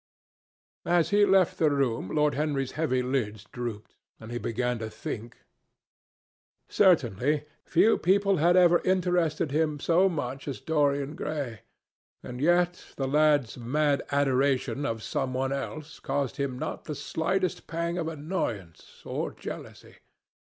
As he left the room, Lord Henry's heavy eyelids drooped, and he began to think. Certainly few people had ever interested him so much as Dorian Gray, and yet the lad's mad adoration of some one else caused him not the slightest pang of annoyance or jealousy.